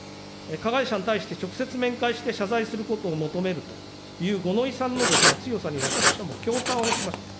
加害者に対して直接面会して謝罪することを求めるという五ノ井さんの強さに私はもう驚嘆をしました。